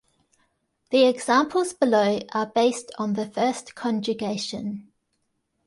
The examples below are based on the first conjugation.